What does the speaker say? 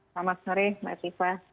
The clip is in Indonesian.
selamat sore mbak siva